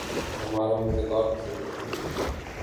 ہمارا مزیدار قسم کا خمیر ہے۔